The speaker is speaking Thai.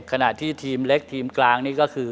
ขณะที่ทีมเล็กทีมกลางนี่ก็คือ